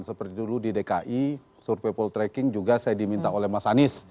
seperti dulu di dki survei poltreking juga saya diminta oleh mas anies